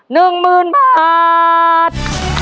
หนึ่งหมื่นบาท